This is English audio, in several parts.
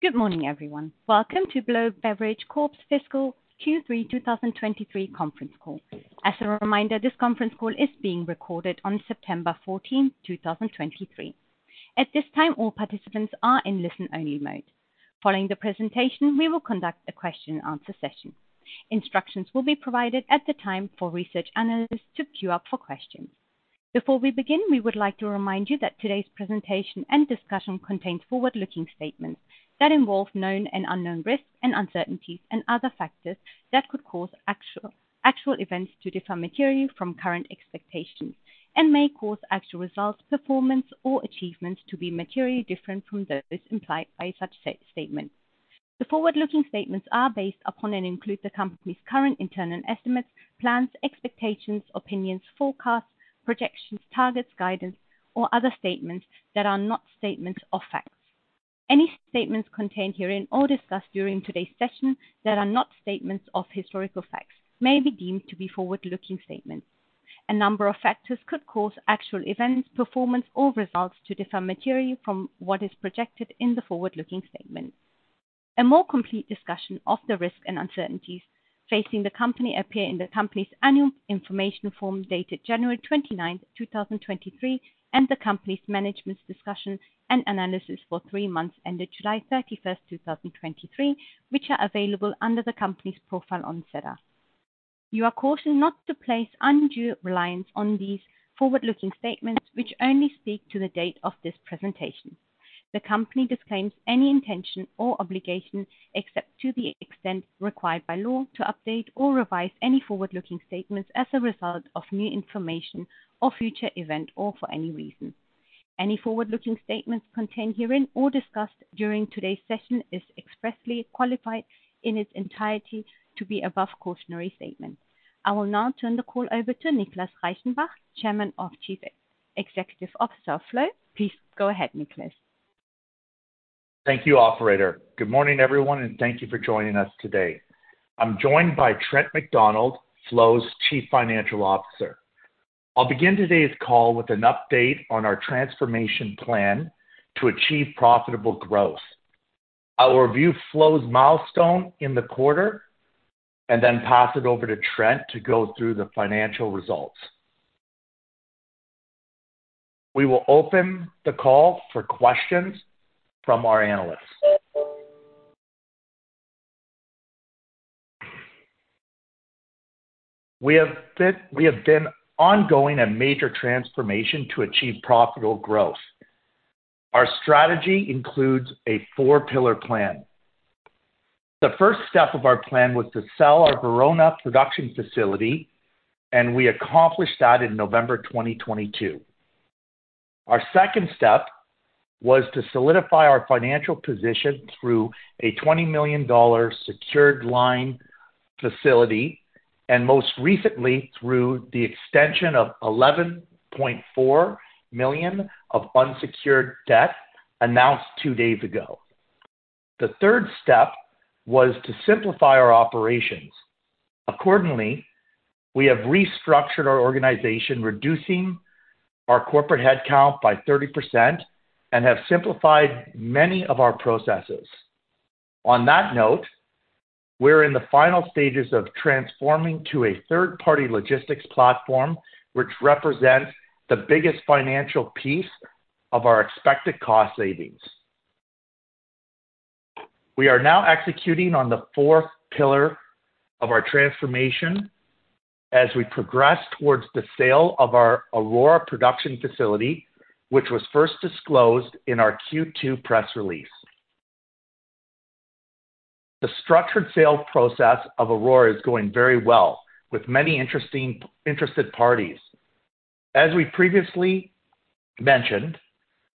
Good morning, everyone. Welcome to Flow Beverage Corp's fiscal Q3 2023 conference call. As a reminder, this conference call is being recorded on September 14, 2023. At this time, all participants are in listen-only mode. Following the presentation, we will conduct a question and answer session. Instructions will be provided at the time for research analysts to queue up for questions. Before we begin, we would like to remind you that today's presentation and discussion contains forward-looking statements that involve known and unknown risks and uncertainties and other factors that could cause actual, actual events to differ materially from current expectations and may cause actual results, performance, or achievements to be materially different from those implied by such statements. The forward-looking statements are based upon and include the company's current internal estimates, plans, expectations, opinions, forecasts, projections, targets, guidance, or other statements that are not statements of facts. Any statements contained herein or discussed during today's session that are not statements of historical facts may be deemed to be forward-looking statements. A number of factors could cause actual events, performance, or results to differ materially from what is projected in the forward-looking statement. A more complete discussion of the risks and uncertainties facing the company appear in the company's annual information form, dated January 29, 2023, and the company's management's discussion and analysis for three months, ended July 31, 2023, which are available under the company's profile on SEDAR. You are cautioned not to place undue reliance on these forward-looking statements, which only speak to the date of this presentation. The company disclaims any intention or obligation, except to the extent required by law, to update or revise any forward-looking statements as a result of new information or future event, or for any reason. Any forward-looking statements contained herein or discussed during today's session is expressly qualified in its entirety by the above cautionary statement. I will now turn the call over to Nicholas Reichenbach, Chairman and Chief Executive Officer of Flow. Please go ahead, Nicholas. Thank you, operator. Good morning, everyone, and thank you for joining us today. I'm joined by Trent MacDonald, Flow's Chief Financial Officer. I'll begin today's call with an update on our transformation plan to achieve profitable growth. I will review Flow's milestone in the quarter, and then pass it over to Trent to go through the financial results. We will open the call for questions from our analysts. We have been ongoing a major transformation to achieve profitable growth. Our strategy includes a four-pillar plan. The first step of our plan was to sell our Verona production facility, and we accomplished that in November 2022. Our second step was to solidify our financial position through a 20 million dollar secured line facility, and most recently, through the extension of 11.4 million of unsecured debt, announced two days ago. The third step was to simplify our operations. Accordingly, we have restructured our organization, reducing our corporate headcount by 30%, and have simplified many of our processes. On that note, we're in the final stages of transforming to a third-party logistics platform, which represents the biggest financial piece of our expected cost savings. We are now executing on the fourth pillar of our transformation as we progress towards the sale of our Aurora production facility, which was first disclosed in our Q2 press release. The structured sales process of Aurora is going very well, with many interested parties. As we previously mentioned,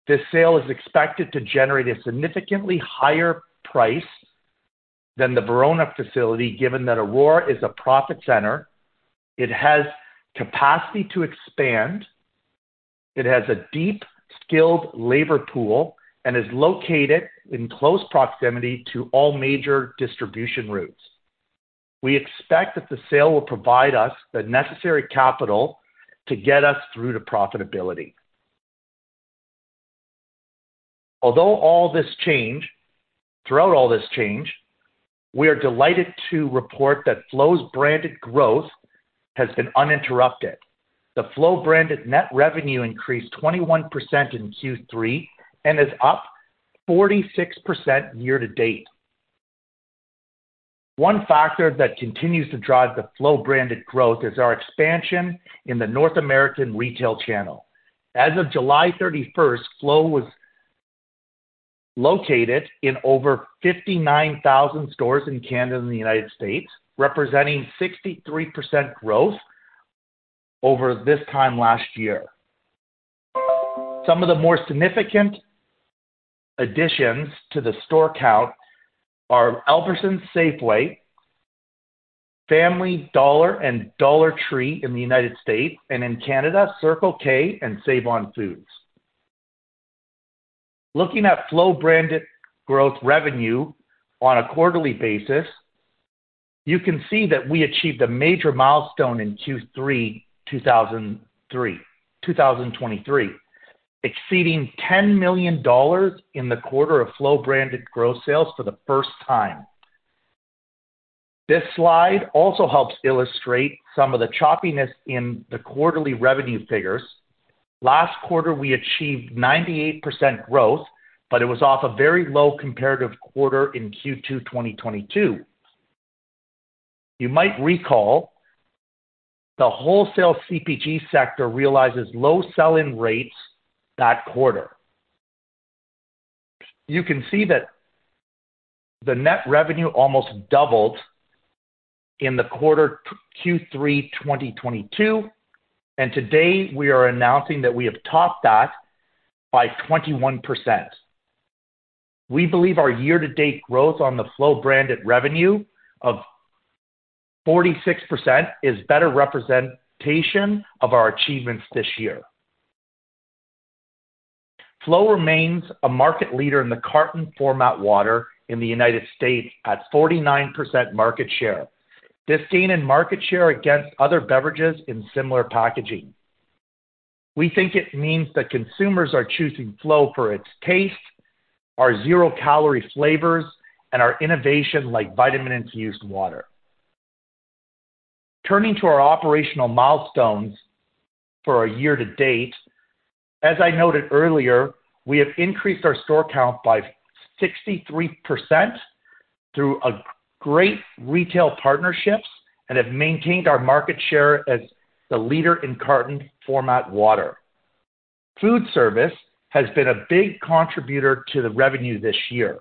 this sale is expected to generate a significantly higher price than the Verona facility, given that Aurora is a profit center, it has capacity to expand, it has a deep, skilled labor pool, and is located in close proximity to all major distribution routes. We expect that the sale will provide us the necessary capital to get us through to profitability. Although all this change, throughout all this change, we are delighted to report that Flow's branded growth has been uninterrupted. The Flow-branded net revenue increased 21% in Q3 and is up 46% year to date. One factor that continues to drive the Flow-branded growth is our expansion in the North American retail channel. As of July 31, Flow was located in over 59,000 stores in Canada and the United States, representing 63% growth over this time last year. Some of the more significant additions to the store count are Albertsons, Safeway, Family Dollar, and Dollar Tree in the United States, and in Canada, Circle K and Save-On-Foods. Looking at Flow-branded growth revenue on a quarterly basis... You can see that we achieved a major milestone in Q3 2023, exceeding 10 million dollars in the quarter of Flow branded gross sales for the first time. This slide also helps illustrate some of the choppiness in the quarterly revenue figures. Last quarter, we achieved 98% growth, but it was off a very low comparative quarter in Q2 2022. You might recall, the wholesale CPG sector realizes low sell-in rates that quarter. You can see that the net revenue almost doubled in the quarter Q3 2022, and today we are announcing that we have topped that by 21%. We believe our year-to-date growth on the Flow branded revenue of 46% is better representation of our achievements this year. Flow remains a market leader in the carton format water in the United States, at 49% market share. This gain in market share against other beverages in similar packaging. We think it means that consumers are choosing Flow for its taste, our zero-calorie flavors, and our innovation, like vitamin-infused water. Turning to our operational milestones for our year to date, as I noted earlier, we have increased our store count by 63% through a great retail partnerships and have maintained our market share as the leader in carton format water. Food service has been a big contributor to the revenue this year.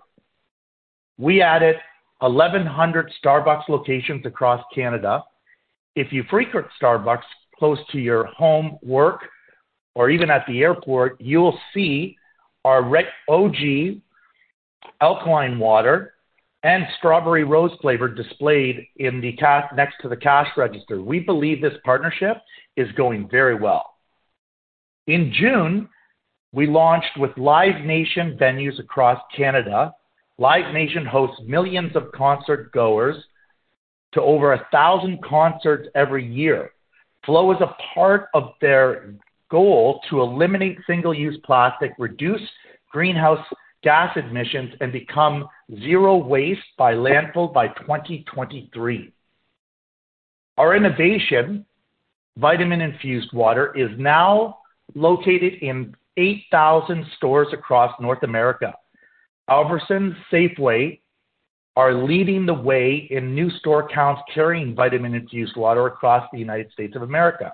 We added 1,100 Starbucks locations across Canada. If you frequent Starbucks close to your home, work, or even at the airport, you will see our red OG alkaline water and strawberry rose flavor displayed in the case next to the cash register. We believe this partnership is going very well. In June, we launched with Live Nation venues across Canada. Live Nation hosts millions of concertgoers to over 1,000 concerts every year. Flow is a part of their goal to eliminate single-use plastic, reduce greenhouse gas emissions, and become zero waste by landfill by 2023. Our innovation, vitamin-infused water, is now located in 8,000 stores across North America. Albertsons, Safeway are leading the way in new store counts, carrying vitamin-infused water across the United States of America,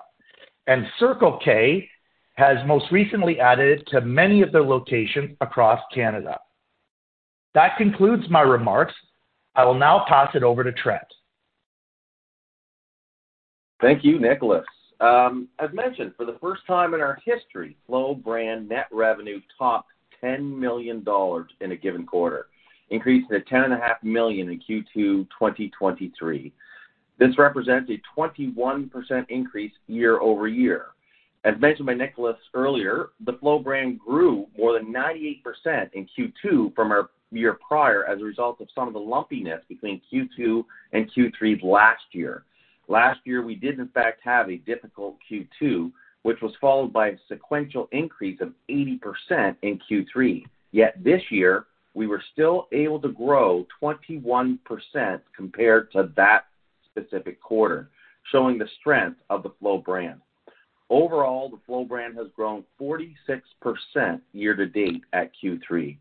and Circle K has most recently added it to many of their locations across Canada. That concludes my remarks. I will now pass it over to Trent. Thank you, Nicholas. As mentioned, for the first time in our history, Flow brand net revenue topped 10 million dollars in a given quarter, increasing to 10.5 million in Q2 2023. This represents a 21% increase year-over-year. As mentioned by Nicholas earlier, the Flow brand grew more than 98% in Q2 from our year prior, as a result of some of the lumpiness between Q2 and Q3 last year. Last year, we did in fact have a difficult Q2, which was followed by a sequential increase of 80% in Q3. Yet this year, we were still able to grow 21% compared to that specific quarter, showing the strength of the Flow brand. Overall, the Flow brand has grown 46% year-to-date at Q3.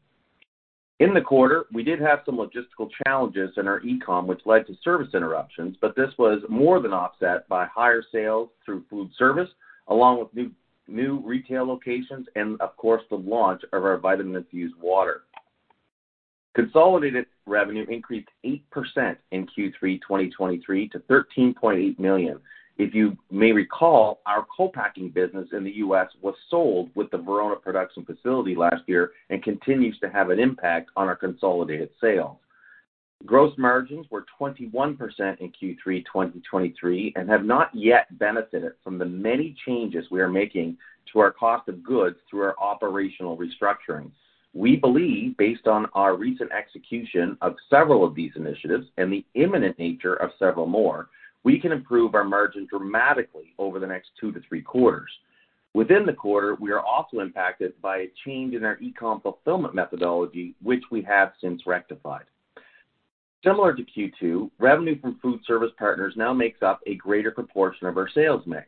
In the quarter, we did have some logistical challenges in our e-com, which led to service interruptions, but this was more than offset by higher sales through food service, along with new retail locations and of course, the launch of our vitamin infused water. Consolidated revenue increased 8% in Q3 2023 to 13.8 million. If you may recall, our co-packing business in the U.S. was sold with the Verona production facility last year and continues to have an impact on our consolidated sales. Gross margins were 21% in Q3 2023, and have not yet benefited from the many changes we are making to our cost of goods through our operational restructuring. We believe, based on our recent execution of several of these initiatives and the imminent nature of several more, we can improve our margin dramatically over the next two to three quarters. Within the quarter, we are also impacted by a change in our e-com fulfillment methodology, which we have since rectified. Similar to Q2, revenue from food service partners now makes up a greater proportion of our sales mix.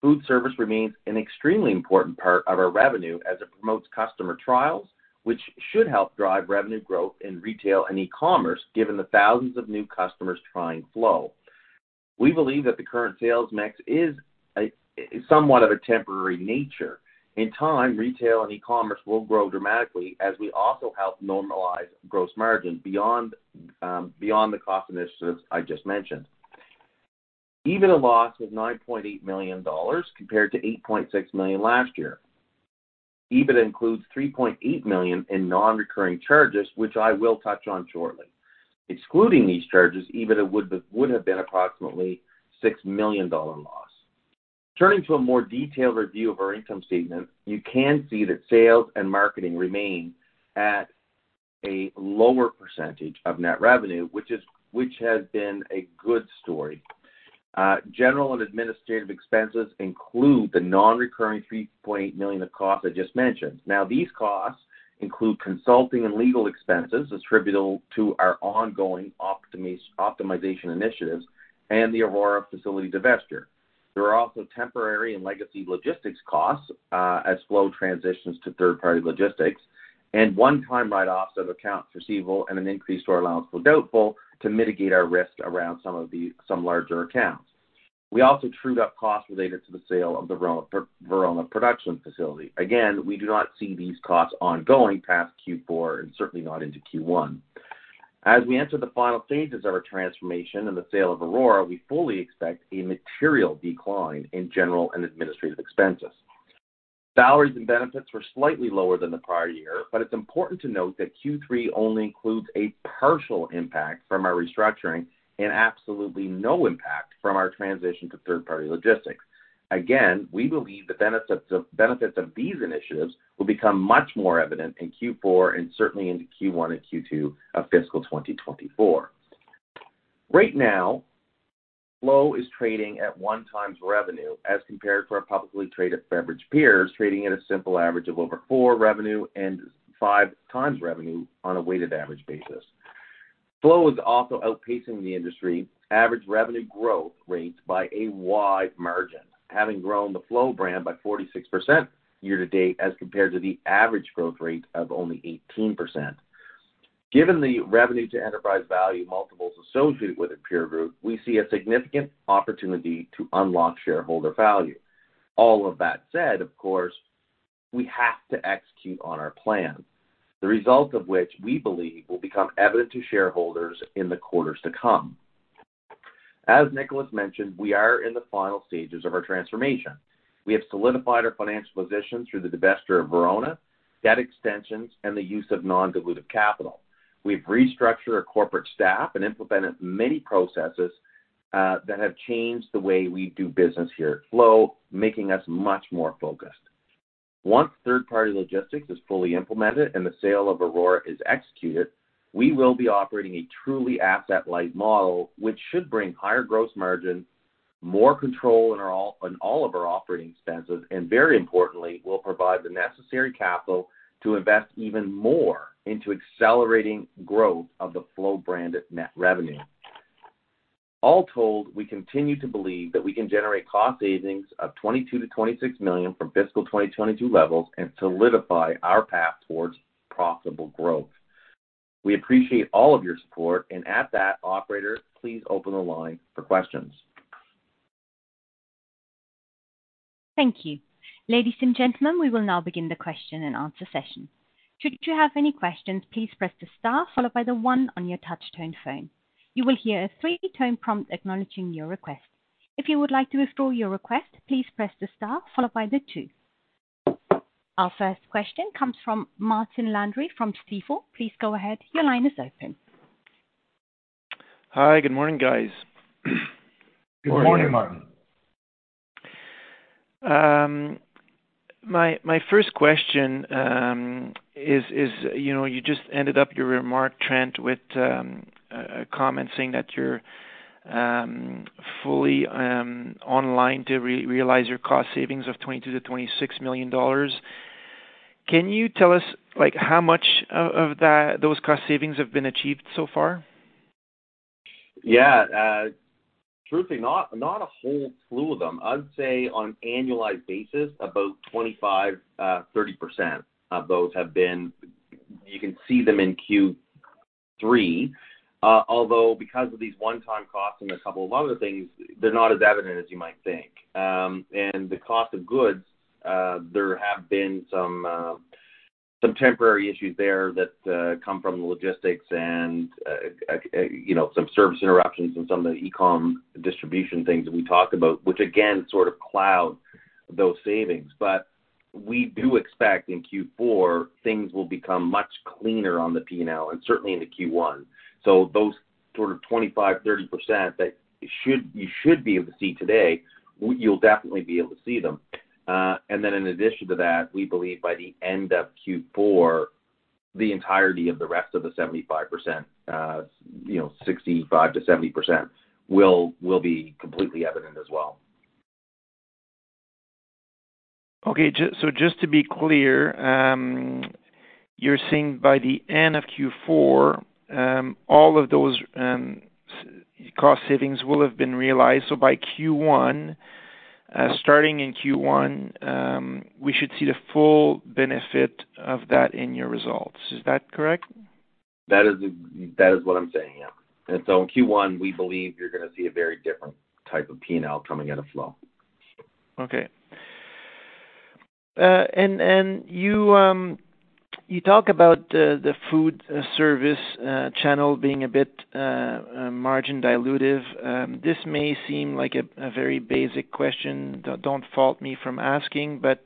Food service remains an extremely important part of our revenue as it promotes customer trials, which should help drive revenue growth in retail and e-commerce, given the thousands of new customers trying Flow. We believe that the current sales mix is a, somewhat of a temporary nature. In time, retail and e-commerce will grow dramatically as we also help normalize gross margin beyond, beyond the cost initiatives I just mentioned. Even a loss of 9.8 million dollars compared to 8.6 million last year. EBITDA includes 3.8 million in non-recurring charges, which I will touch on shortly. Excluding these charges, EBITDA would have been approximately 6 million dollar loss. Turning to a more detailed review of our income statement, you can see that sales and marketing remain at a lower percentage of net revenue, which has been a good story. General and administrative expenses include the non-recurring 3 million of costs I just mentioned. Now, these costs include consulting and legal expenses attributable to our ongoing optimization initiatives and the Aurora facility divestiture. There are also temporary and legacy logistics costs as Flow transitions to third-party logistics, and one-time write-offs of accounts receivable and an increase to our allowance for doubtful accounts to mitigate our risk around some larger accounts. We also trued up costs related to the sale of the Verona production facility. Again, we do not see these costs ongoing past Q4 and certainly not into Q1. As we enter the final stages of our transformation and the sale of Aurora, we fully expect a material decline in general and administrative expenses. Salaries and benefits were slightly lower than the prior year, but it's important to note that Q3 only includes a partial impact from our restructuring and absolutely no impact from our transition to third-party logistics. Again, we believe the benefits of these initiatives will become much more evident in Q4 and certainly into Q1 and Q2 of fiscal 2024. Right now, Flow is trading at 1x revenue, as compared to our publicly traded beverage peers, trading at a simple average of over 4x revenue and 5x revenue on a weighted average basis. Flow is also outpacing the industry average revenue growth rate by a wide margin, having grown the Flow brand by 46% year to date, as compared to the average growth rate of only 18%. Given the revenue to enterprise value multiples associated with the peer group, we see a significant opportunity to unlock shareholder value. All of that said, of course, we have to execute on our plan, the result of which we believe will become evident to shareholders in the quarters to come. As Nicholas mentioned, we are in the final stages of our transformation. We have solidified our financial position through the divestiture of Verona, debt extensions, and the use of non-dilutive capital. We've restructured our corporate staff and implemented many processes that have changed the way we do business here at Flow, making us much more focused. Once third-party logistics is fully implemented and the sale of Aurora is executed, we will be operating a truly asset-light model, which should bring higher gross margins, more control on all of our operating expenses, and very importantly, will provide the necessary capital to invest even more into accelerating growth of the Flow brand of net revenue. All told, we continue to believe that we can generate cost savings of 22 million-26 million from fiscal 2022 levels and solidify our path towards profitable growth. We appreciate all of your support, and at that, operator, please open the line for questions. Thank you. Ladies and gentlemen, we will now begin the question and answer session. Should you have any questions, please press the star followed by the one on your touchtone phone. You will hear a three tone prompt acknowledging your request. If you would like to withdraw your request, please press the star followed by the two. Our first question comes from Martin Landry from Stifel. Please go ahead. Your line is open. Hi, good morning, guys. Good morning, Martin. My first question is, you know, you just ended up your remark, Trent, with a comment saying that you're fully online to realize your cost savings of 22 million-26 million dollars. Can you tell us, like, how much of those cost savings have been achieved so far? Yeah. Truthfully, not a whole slew of them. I'd say on an annualized basis, about 25%-30% of those have been. You can see them in Q3. Although, because of these one-time costs and a couple of other things, they're not as evident as you might think. And the cost of goods, there have been some temporary issues there that come from the logistics and, you know, some service interruptions and some of the e-com distribution things that we talked about, which again, sort of cloud those savings. But we do expect in Q4, things will become much cleaner on the P&L, and certainly into Q1. So those sort of 25%-30% that you should, you should be able to see today, you'll definitely be able to see them. And then in addition to that, we believe by the end of Q4, the entirety of the rest of the 75%, you know, 65%-70%, will be completely evident as well. Okay, so just to be clear, you're saying by the end of Q4, all of those cost savings will have been realized. So by Q1, starting in Q1, we should see the full benefit of that in your results. Is that correct? That is, that is what I'm saying, yeah. And so in Q1, we believe you're gonna see a very different type of P&L coming out of Flow. Okay. And you talk about the food service channel being a bit margin dilutive. This may seem like a very basic question, don't fault me for asking, but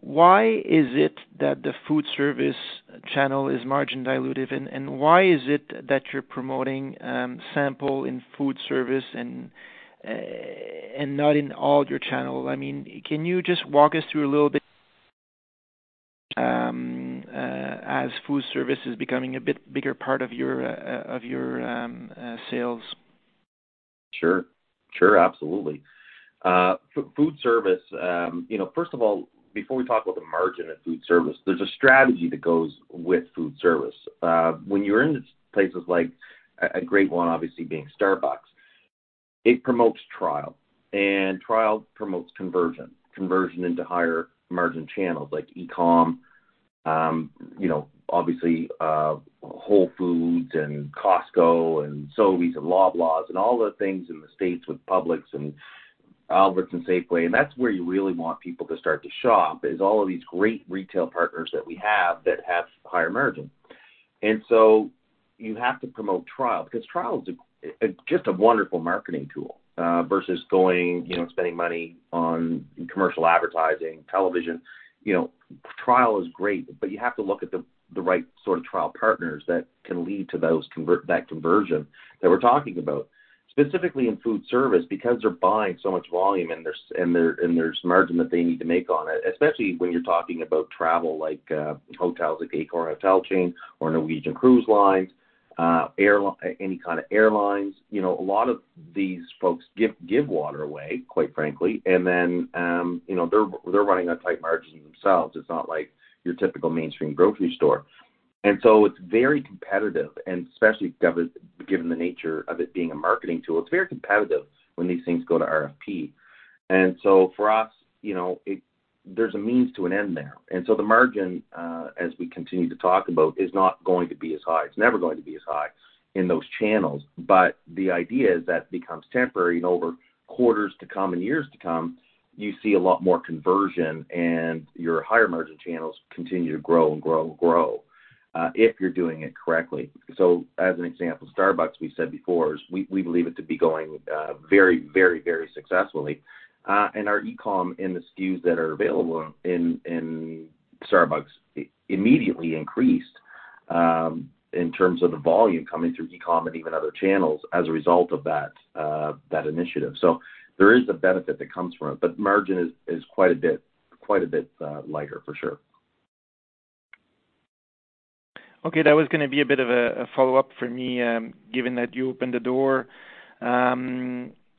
why is it that the food service channel is margin dilutive? And why is it that you're promoting sampling in food service and not in all your channels? I mean, can you just walk us through a little bit as food service is becoming a bit bigger part of your sales? Sure. Sure, absolutely. Food service, you know, first of all, before we talk about the margin of food service, there's a strategy that goes with food service. When you're in places like, a great one, obviously being Starbucks, it promotes trial, and trial promotes conversion, conversion into higher margin channels like e-com, you know, obviously, Whole Foods and Costco and Sobeys and Loblaws, and all the things in the States with Publix and Albertsons and Safeway. And that's where you really want people to start to shop, is all of these great retail partners that we have that have higher margin. And so you have to promote trial, because trial is a just a wonderful marketing tool, versus going, you know, spending money on commercial advertising, television. You know, trial is great, but you have to look at the right sort of trial partners that can lead to those conversion that we're talking about. Specifically in food service, because they're buying so much volume, and there's margin that they need to make on it, especially when you're talking about travel, like hotels, like Accor hotel chain or Norwegian Cruise Lines, airlines. You know, a lot of these folks give water away, quite frankly, and then you know, they're running on tight margins themselves. It's not like your typical mainstream grocery store. And so it's very competitive, and especially given the nature of it being a marketing tool, it's very competitive when these things go to RFP. And so for us, you know, there's a means to an end there. The margin, as we continue to talk about, is not going to be as high. It's never going to be as high in those channels, but the idea is that becomes temporary, and over quarters to come and years to come, you see a lot more conversion, and your higher margin channels continue to grow and grow and grow, if you're doing it correctly. As an example, Starbucks, we've said before, is, we believe it to be going very, very, very successfully. Our e-com and the SKUs that are available in Starbucks immediately increased, in terms of the volume coming through e-com and even other channels as a result of that initiative. There is a benefit that comes from it, but margin is quite a bit, quite a bit lighter for sure. Okay, that was gonna be a bit of a follow-up for me, given that you opened the door.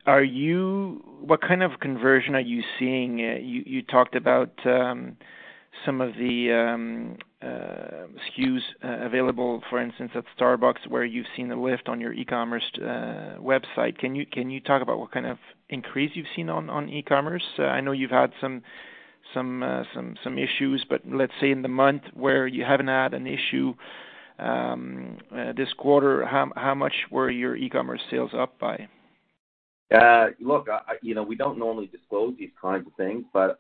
What kind of conversion are you seeing? You talked about some of the SKUs available, for instance, at Starbucks, where you've seen a lift on your e-commerce website. Can you talk about what kind of increase you've seen on e-commerce? I know you've had some issues, but let's say in the month where you haven't had an issue, this quarter, how much were your e-commerce sales up by? Look, you know, we don't normally disclose these kinds of things, but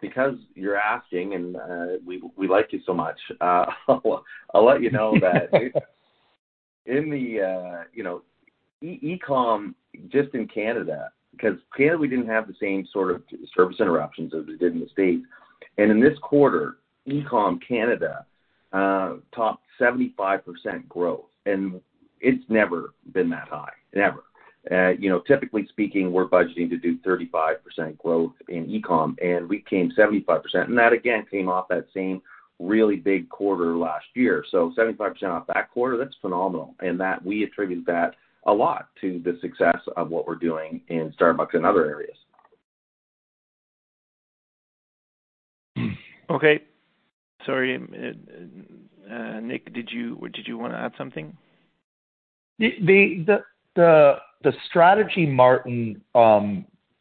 because you're asking, and we like you so much, I'll let you know that in the, you know, e-com, just in Canada, because Canada, we didn't have the same sort of service interruptions as we did in the States. And in this quarter, e-com Canada topped 75% growth, and it's never been that high, never. You know, typically speaking, we're budgeting to do 35% growth in e-com, and we came 75%, and that, again, came off that same really big quarter last year. So 75% off that quarter, that's phenomenal. And that, we attribute that a lot to the success of what we're doing in Starbucks and other areas. Okay. Sorry, Nick, did you want to add something? The strategy, Martin,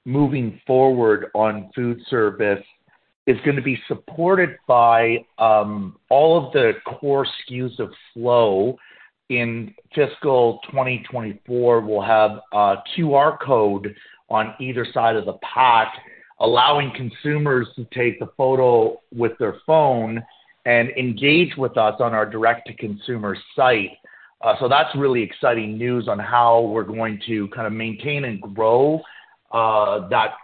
moving forward on food service is gonna be supported by all of the core SKUs of Flow. In fiscal 2024, we'll have a QR code on either side of the pack, allowing consumers to take the photo with their phone and engage with us on our direct-to-consumer site. So that's really exciting news on how we're going to kind of maintain and grow that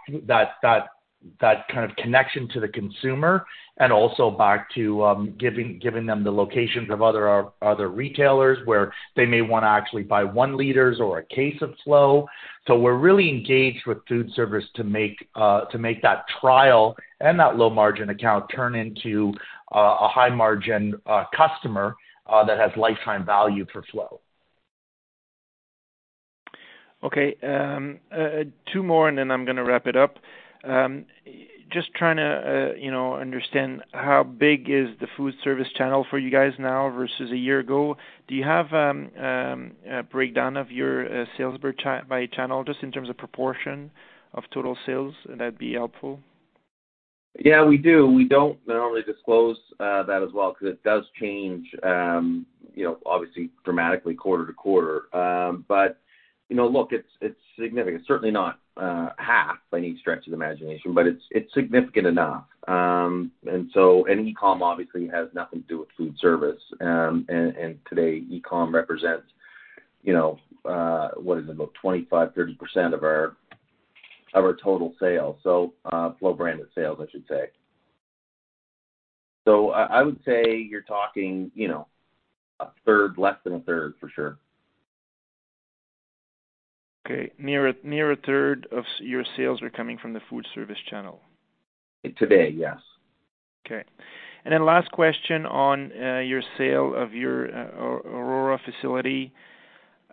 kind of connection to the consumer, and also back to giving them the locations of other retailers, where they may wanna actually buy 1 liters or a case of Flow. So we're really engaged with food service to make that trial and that low-margin account turn into a high-margin customer that has lifetime value for Flow. Okay, two more, and then I'm gonna wrap it up. Just trying to, you know, understand how big is the food service channel for you guys now versus a year ago. Do you have a breakdown of your sales per by channel, just in terms of proportion of total sales? That'd be helpful. Yeah, we do. We don't normally disclose that as well, because it does change, you know, obviously dramatically quarter to quarter. But, you know, look, it's significant. Certainly not half by any stretch of the imagination, but it's significant enough. And so and e-com obviously has nothing to do with food service. And today, e-com represents you know, what is it? About 25%-30% of our total sales. So, Flow branded sales, I should say. So I would say you're talking, you know, a third, less than a third, for sure. Okay. Near a third of your sales are coming from the food service channel? Today, yes. Okay. And then last question on your sale of your Aurora facility.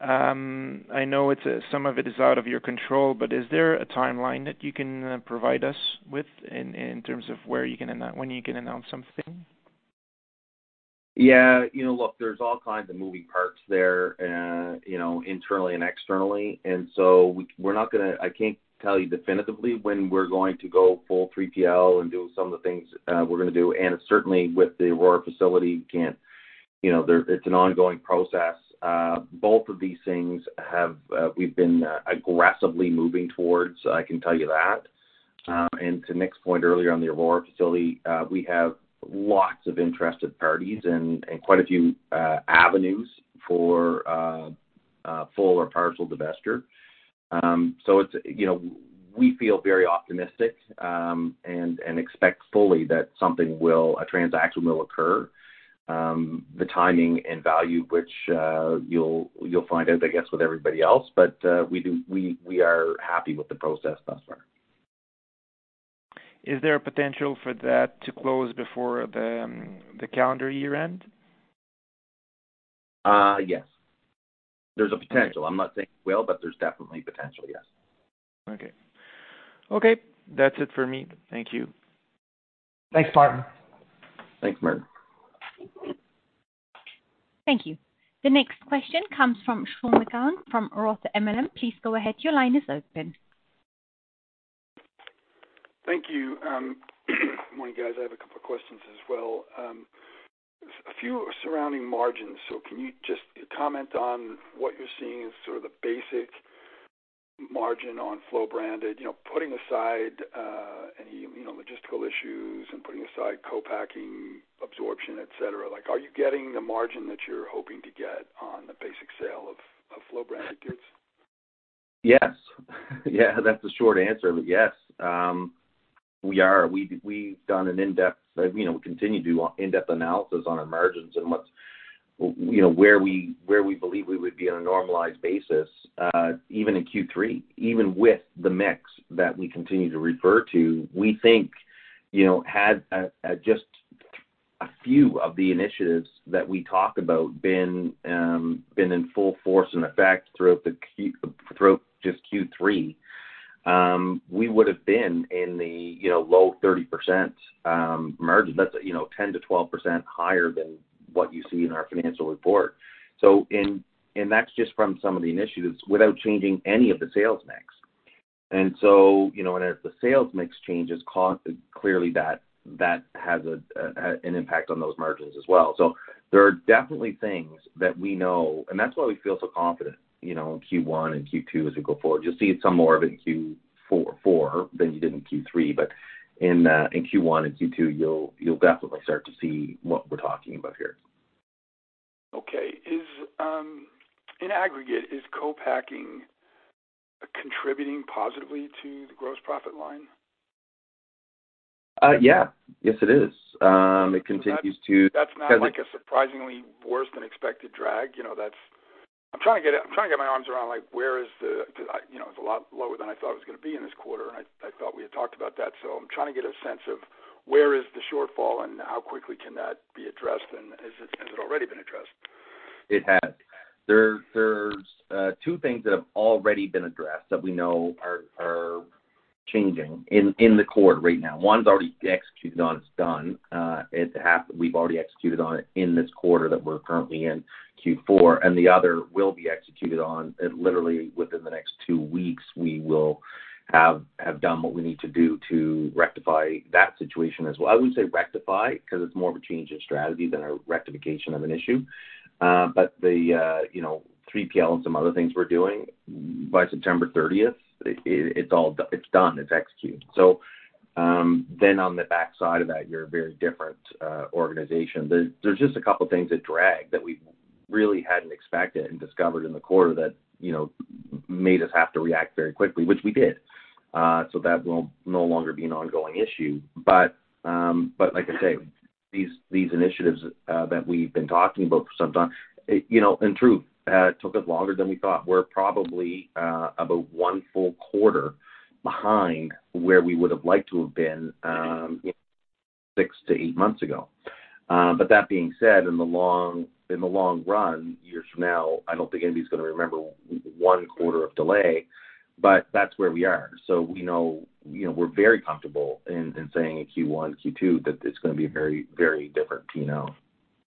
I know it's some of it is out of your control, but is there a timeline that you can provide us with in terms of when you can announce something? Yeah, you know, look, there's all kinds of moving parts there, you know, internally and externally, and so we're not gonna. I can't tell you definitively when we're going to go full 3PL and do some of the things we're gonna do. And certainly, with the Aurora facility, we can't. You know, there, it's an ongoing process. Both of these things have, we've been aggressively moving towards, I can tell you that. And to Nick's point earlier on the Aurora facility, we have lots of interested parties and quite a few avenues for a full or partial divestiture. So it's, you know, we feel very optimistic, and expect fully that something will, a transaction will occur. The timing and value, which you'll find out, I guess, with everybody else, but we are happy with the process thus far. Is there a potential for that to close before the calendar year end? Yes. There's a potential. I'm not saying it will, but there's definitely potential, yes. Okay. Okay, that's it for me. Thank you. Thanks, Martin. Thanks, Martin. Thank you. The next question comes from Sean McGowan from Roth MKM. Please go ahead. Your line is open. Thank you. Good morning, guys. I have a couple of questions as well. A few are surrounding margins, so can you just comment on what you're seeing as sort of the basic margin on Flow branded? You know, putting aside any, you know, logistical issues and putting aside co-packing, absorption, et cetera, like, are you getting the margin that you're hoping to get on the basic sale of Flow-branded goods? Yes. Yeah, that's the short answer, but yes, we are. We, we've done an in-depth, you know, we continue to do in-depth analysis on our margins and what's, you know, where we, where we believe we would be on a normalized basis, even in Q3, even with the mix that we continue to refer to. We think, you know, had just a few of the initiatives that we talked about been in full force and effect throughout just Q3, we would have been in the, you know, low 30%, margin. That's, you know, 10%-12% higher than what you see in our financial report. So in- and that's just from some of the initiatives, without changing any of the sales mix. And so, you know, and as the sales mix changes, cost, clearly, that has an impact on those margins as well. So there are definitely things that we know, and that's why we feel so confident, you know, in Q1 and Q2, as we go forward. You'll see some more of it in Q4 four than you did in Q3, but in, in Q1 and Q2, you'll definitely start to see what we're talking about here. Okay. In aggregate, is Co-packing contributing positively to the gross profit line? Yeah. Yes, it is. It continues to- That's not, like, a surprisingly worse than expected drag? You know, that's... I'm trying to get, I'm trying to get my arms around, like, where is the, the, you know, it's a lot lower than I thought it was gonna be in this quarter, and I, I thought we had talked about that. So I'm trying to get a sense of where is the shortfall and how quickly can that be addressed, and has it, has it already been addressed? It has. There's two things that have already been addressed that we know are changing in the quarter right now. One's already executed on, it's done. It's half, we've already executed on it in this quarter that we're currently in, Q4. And the other will be executed on, literally within the next two weeks, we will have done what we need to do to rectify that situation as well. I wouldn't say rectify, because it's more of a change in strategy than a rectification of an issue. But the, you know, 3PL and some other things we're doing, by September thirtieth, it's all, it's done, it's executed. So, then on the backside of that, you're a very different organization. There's just a couple things that drag that we really hadn't expected and discovered in the quarter that, you know, made us have to react very quickly, which we did. So that will no longer be an ongoing issue. But like I say, these initiatives that we've been talking about for some time, you know, in truth, took us longer than we thought. We're probably about 1 full quarter behind where we would have liked to have been, 6-8 months ago. But that being said, in the long run, years from now, I don't think anybody's gonna remember 1 quarter of delay, but that's where we are. So we know, you know, we're very comfortable in saying in Q1, Q2, that it's gonna be a very, very different PNL.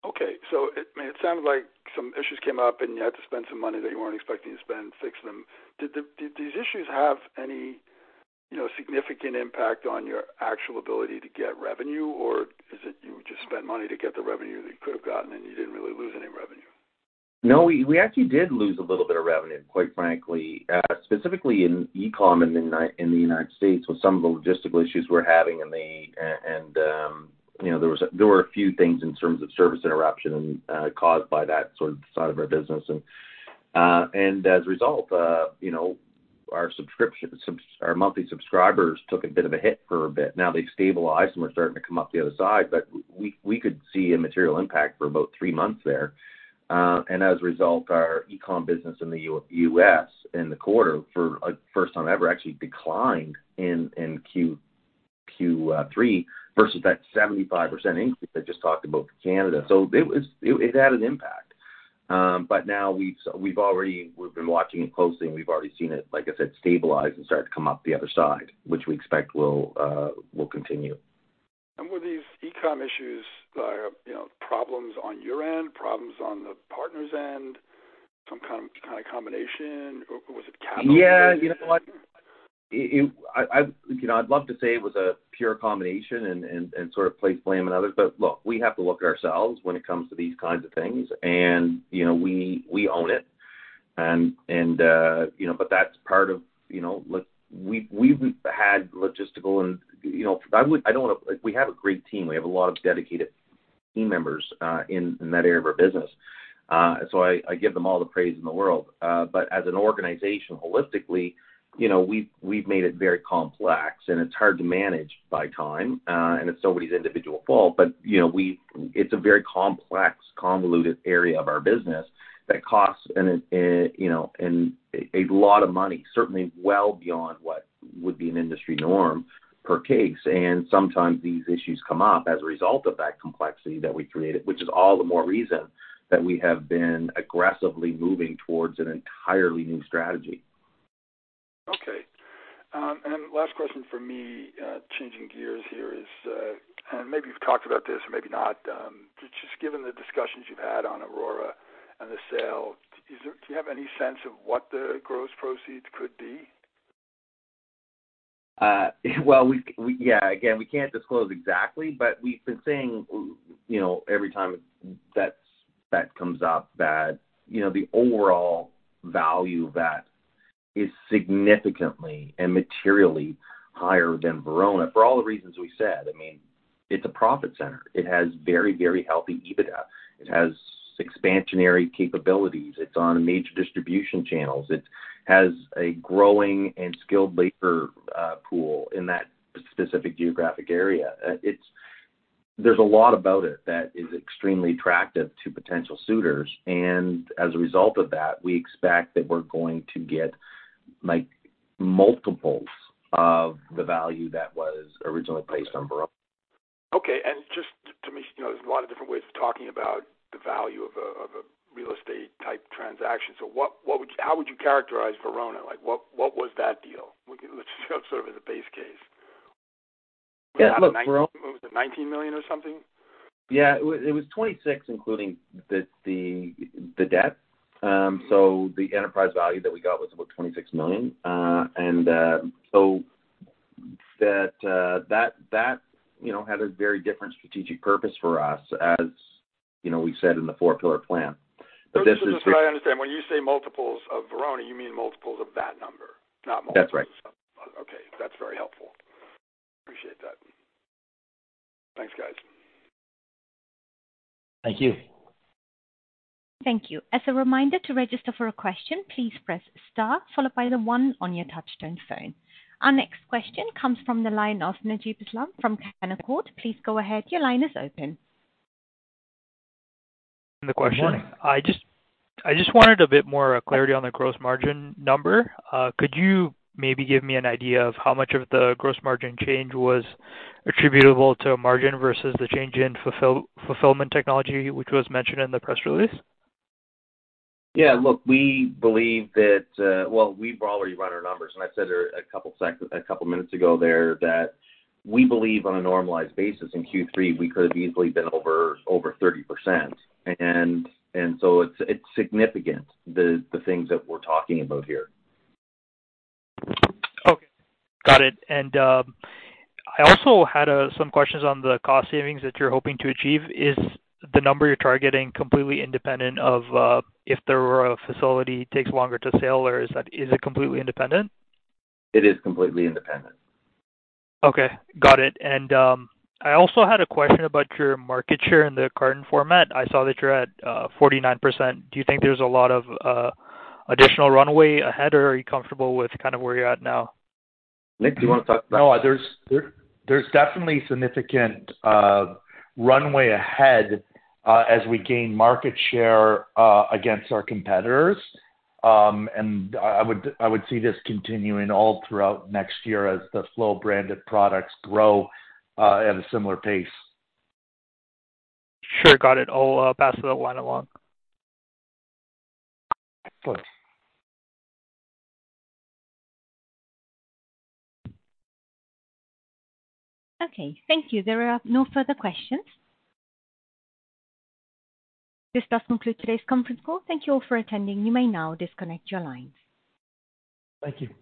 Okay. So it, I mean, it sounded like some issues came up, and you had to spend some money that you weren't expecting to spend, fix them. Did these issues have any, you know, significant impact on your actual ability to get revenue? Or is it you just spent money to get the revenue that you could have gotten, and you didn't really lose any revenue? No, we actually did lose a little bit of revenue... and quite frankly, specifically in e-com in the United States, with some of the logistical issues we're having, and, you know, there was, there were a few things in terms of service interruption and caused by that sort of side of our business. And as a result, you know, our subscription, our monthly subscribers took a bit of a hit for a bit. Now, they've stabilized and we're starting to come up the other side, but we could see a material impact for about three months there. And as a result, our e-com business in the US, in the quarter, like, first time ever, actually declined in Q3, versus that 75% increase I just talked about for Canada. So it had an impact. But now we've already... We've been watching it closely, and we've already seen it, like I said, stabilize and start to come up the other side, which we expect will continue. Were these e-com issues, you know, problems on your end, problems on the partners' end, some kind of combination, or was it capital? Yeah, you know what? It, I you know, I'd love to say it was a pure combination and sort of place blame on others. But look, we have to look at ourselves when it comes to these kinds of things, and you know, we own it. And you know, but that's part of, you know, look, we've had logistical and, you know, I would, I don't wanna, We have a great team. We have a lot of dedicated team members in that area of our business. So I give them all the praise in the world. But as an organization, holistically, you know, we've made it very complex, and it's hard to manage by time, and it's nobody's individual fault. But, you know, we. It's a very complex, convoluted area of our business that costs and it, you know, and a lot of money, certainly well beyond what would be an industry norm per case. Sometimes these issues come up as a result of that complexity that we created, which is all the more reason that we have been aggressively moving towards an entirely new strategy. Okay. Last question for me, changing gears here is, and maybe you've talked about this, or maybe not, but just given the discussions you've had on Aurora and the sale, is there? Do you have any sense of what the gross proceeds could be? Well, we, Yeah, again, we can't disclose exactly, but we've been saying, you know, every time that comes up, that, you know, the overall value of that is significantly and materially higher than Verona, for all the reasons we said. I mean, it's a profit center. It has very, very healthy EBITDA. It has expansionary capabilities. It's on major distribution channels. It has a growing and skilled labor pool in that specific geographic area. It's. There's a lot about it that is extremely attractive to potential suitors, and as a result of that, we expect that we're going to get, like, multiples of the value that was originally placed on Verona. Okay. And just to make sure, you know, there's a lot of different ways of talking about the value of a real estate type transaction. So what, what would you, how would you characterize Verona? Like, what, what was that deal? We can, sort of as a base case. Yeah, look, Verona- Was it 19 million or something? Yeah, it was 26, including the debt. So the enterprise value that we got was about 26 million. And so that you know had a very different strategic purpose for us, as you know, we said in the four-pillar plan. But this is- Just so I understand, when you say multiples of Verona, you mean multiples of that number, not multiples- That's right. Okay. That's very helpful. Appreciate that. Thanks, guys. Thank you. Thank you. As a reminder to register for a question, please press star followed by the one on your touchtone phone. Our next question comes from the line of Najib Islam from Canaccord. Please go ahead. Your line is open. .The question. Good morning. I just wanted a bit more clarity on the gross margin number. Could you maybe give me an idea of how much of the gross margin change was attributable to margin versus the change in fulfillment technology, which was mentioned in the press release? Yeah, look, we believe that. Well, we've already run our numbers, and I said a couple of minutes ago there, that we believe on a normalized basis in Q3, we could have easily been over 30%. And so it's significant, the things that we're talking about here. Okay, got it. And I also had some questions on the cost savings that you're hoping to achieve. Is the number you're targeting completely independent of if the Aurora facility takes longer to sell, or is that, is it completely independent? It is completely independent. Okay, got it. And, I also had a question about your market share in the carton format. I saw that you're at 49%. Do you think there's a lot of additional runway ahead, or are you comfortable with kind of where you're at now? Nick, do you want to talk about- No, there's definitely significant runway ahead as we gain market share against our competitors. And I would see this continuing all throughout next year as the Flow branded products grow at a similar pace. Sure. Got it. I'll pass that line along. Of course. Okay. Thank you. There are no further questions. This does conclude today's conference call. Thank you all for attending. You may now disconnect your lines. Thank you.